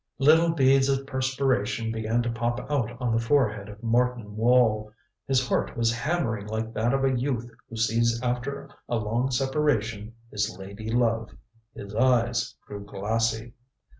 Little beads of perspiration began to pop out on the forehead of Martin Wall. His heart was hammering like that of a youth who sees after a long separation his lady love. His eyes grew glassy.